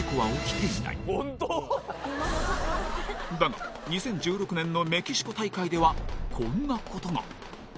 だが、２０１６年のメキシコ大会ではこんなことが。